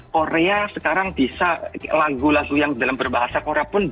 korea sekarang bisa lagu lagu yang dalam berbahasa korea pun